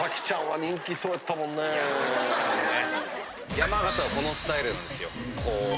山形はこのスタイルなんですよ。